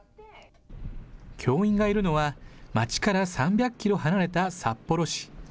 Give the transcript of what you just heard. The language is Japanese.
教員がいるのは町から３００キロ離れた札幌市。